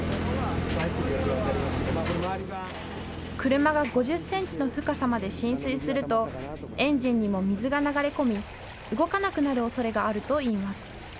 車が５０センチの深さまで浸水するとエンジンにも水が流れ込み、動かなくなるおそれがあるといいます。